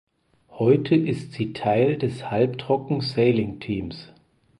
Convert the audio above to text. Heute ist sie Teil des Halbtrocken Sailing Teams.